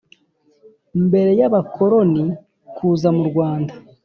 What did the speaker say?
mbere y’abakoroni kuza m’uRwanda